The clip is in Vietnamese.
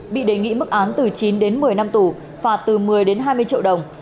bị đề nghị mức án từ chín một mươi năm tù phạt từ một mươi hai mươi triệu đồng